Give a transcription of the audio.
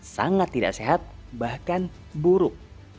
sangat tidak sehat bahkan buruk